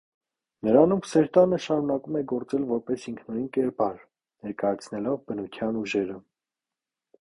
Նրանում սերտանը շարունակում է գործել որպես ինքնուրույն կերպար՝ ներկայացնելով բնության ուժերը։